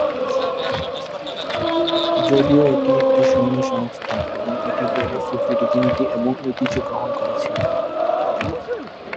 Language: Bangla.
যদিও এটি একটি সুন্নি সংস্থা এবং এটি বহু সূফী রীতিনীতি এবং ঐতিহ্য গ্রহণ করেছে।